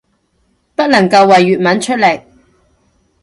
不能夠為粵文出力